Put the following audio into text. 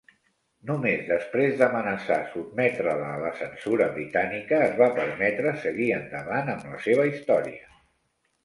Només després d'amenaçar sotmetre-la a la censura britànica, es va permetre seguir endavant amb la seva història.